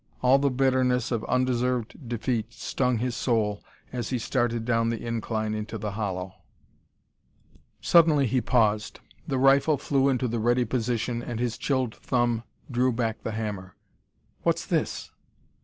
All the bitterness of undeserved defeat stung his soul as he started down the incline into the hollow. Suddenly he paused. The rifle flew into the ready position and his chilled thumb drew back the hammer. "What's this?"